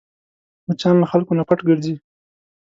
مچان له خلکو نه پټ ګرځي